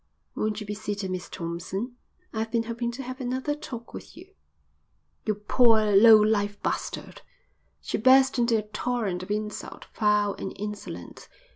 "Won't you be seated, Miss Thompson? I've been hoping to have another talk with you." "You poor low life bastard." She burst into a torrent of insult, foul and insolent.